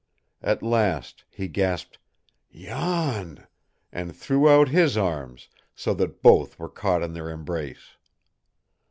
At last he gasped "Jan!" and threw out his arms, so that both were caught in their embrace.